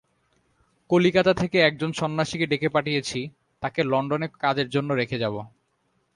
কলিকাতা থেকে একজন সন্ন্যাসীকে ডেকে পাঠিয়েছি, তাকে লণ্ডনে কাজের জন্য রেখে যাব।